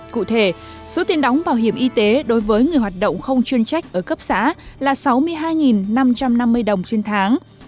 cụ thể số tiền đóng bảo hiểm y tế đối với người hoạt động không chuyên trách ở cấp xã là sáu mươi hai năm trăm năm mươi đồng trên tháng